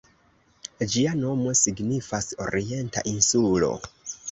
Ĝia nomo signifas "Orienta insulo".